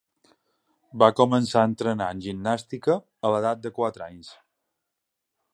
Va començar a entrenar en gimnàstica a l'edat de quatre anys.